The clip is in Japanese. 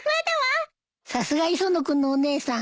さすが磯野君のお姉さん。